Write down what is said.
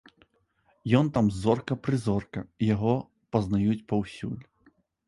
Ён там зорка-прызорка, яго пазнаюць паўсюль.